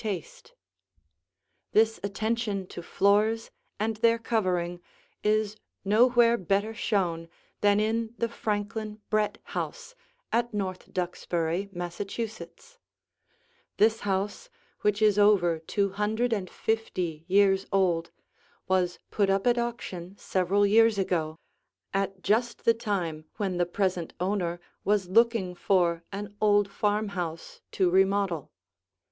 [Illustration: THE FRANKLIN BRETT HOUSE FRONT VIEW] This attention to floors and their covering is nowhere better shown than in the Franklin Brett House at North Duxbury, Massachusetts. This house, which is over two hundred and fifty years old, was put up at auction several years ago, at just the time when the present owner was looking for an old farmhouse to remodel.